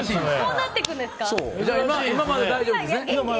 今、まだ大丈夫ですね。